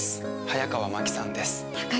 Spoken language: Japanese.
早川麻希さんです。